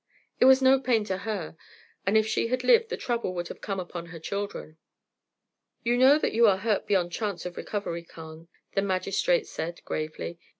"It was no pain to her; and if she had lived, the trouble would have come upon her children." "You know that you are hurt beyond chance of recovery, Carne," the magistrate said, gravely.